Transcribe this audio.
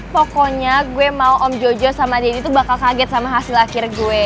pokoknya gue mau om jojo sama denny itu bakal kaget sama hasil akhir gue